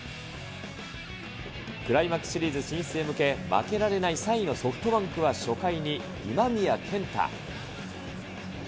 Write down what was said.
クライマックスシリーズ進出へ向け、負けられない３位のソフトバンクは初回に今宮健太。